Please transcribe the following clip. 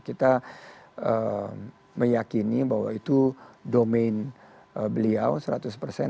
kita meyakini bahwa itu domain beliau seratus persen